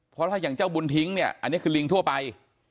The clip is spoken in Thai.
เพราะถ้าอย่างเจ้าบุญทิ้งเนี่ยอันนี้คือลิงทั่วไป